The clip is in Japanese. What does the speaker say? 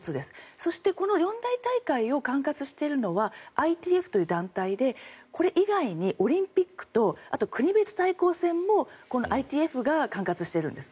そしてこの四大大会を管轄しているのはＩＴＦという団体でこれ以外にオリンピックとあと国別対抗戦も、このＩＴＦが管轄しているんです。